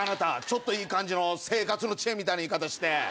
ちょっといい感じの生活の知恵みたいな言い方して。